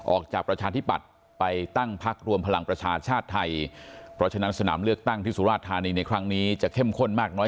ออกจากประชาธิปัตย์ไปตั้งพักรวมพลังประชาชาชาติไทย